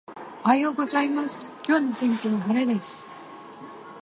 おはようございます、今日の天気は晴れです。